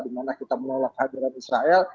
dimana kita menolak kehadiran israel